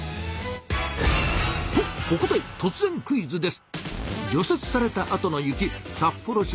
とここでとつぜんクイズです！